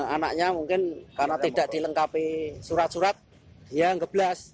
anaknya mungkin karena tidak dilengkapi surat surat ya ngeblas